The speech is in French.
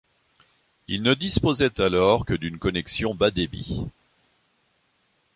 Il ne disposait alors que d'une connexion bas débit.